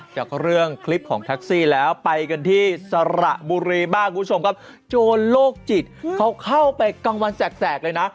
จากเรื่องคลิปของแท็กซี่แล้วไปกันที่สระบุรีบ้างคุณผู้ชมครับโจรโรคจิตเขาเข้าไปกลางวันแสกเลยนะ